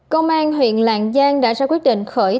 công an huyện lạng giang đã ra quyết định khởi